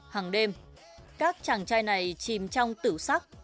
hằng đêm các chàng trai này chìm trong tửu sắc